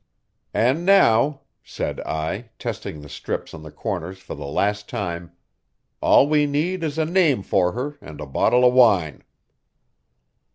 "And now," said I, testing the strips on the corners for the last time, "all we need is a name for her and a bottle of wine."